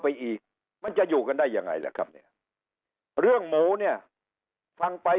อีกมันจะอยู่กันได้ยังไงล่ะครับเนี่ยเรื่องหมูเนี่ยฟังไป